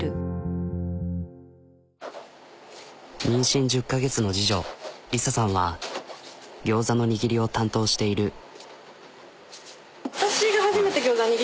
妊娠１０カ月の次女莉沙さんは餃子の「握り」を担当している。